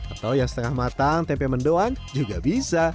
atau yang setengah matang tempe mendoan juga bisa